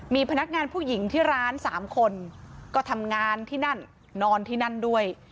มีพนักงานผู้หญิงที่ร้าน๓คนก็ทำงานที่นั่นนอนที่นั่นด้วย